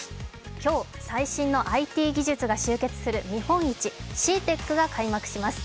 今日、最新のＩＴ技術が集結する見本市、ＣＥＡＴＥＣが開幕します。